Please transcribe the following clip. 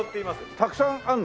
たくさんあるの？